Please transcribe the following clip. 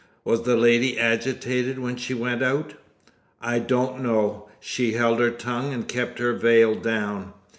"Was the lady agitated when she went out?" "I don't know. She held her tongue and kept her veil down."